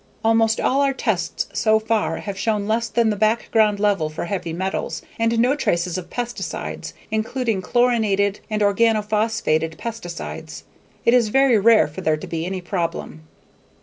"Almost all our tests so far have shown less than the background level for heavy metals, and no traces of pesticides [including] chlorinated and organophosphated pesticides.... It is very rare for there to be any problem."